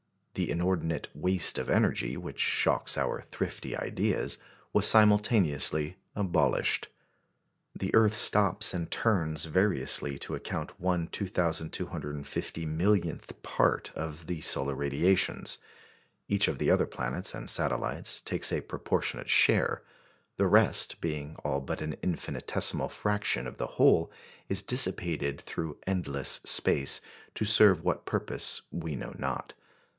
The inordinate "waste" of energy, which shocks our thrifty ideas, was simultaneously abolished. The earth stops and turns variously to account one 2,250 millionth part of the solar radiations; each of the other planets and satellites takes a proportionate share; the rest, being all but an infinitesmal fraction of the whole, is dissipated through endless space, to serve what purpose we know not.